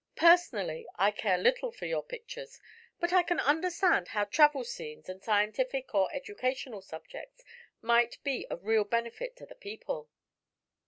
"Personally, I care little for your pictures; but I can understand how travel scenes and scientific or educational subjects might be of real benefit to the people."